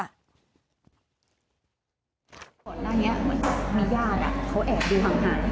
บรรณานี้เหมือนมีญาติอ่ะเขาแอบดูหังหัน